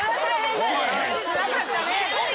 つらかったね。